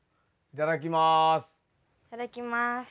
いただきます。